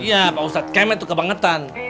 iya pak ustadz kemet tuh kebangetan